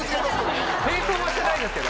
変装はしてないんですけど。